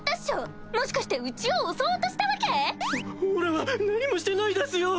もしかしてうちを襲おうとしたわけ⁉おおらは何もしてないだすよ！